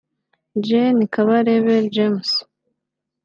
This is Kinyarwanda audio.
Gen Kabarebe James